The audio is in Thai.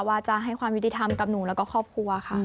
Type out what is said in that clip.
ว่าจะให้ความยุติธรรมกับหนูแล้วก็ครอบครัวค่ะ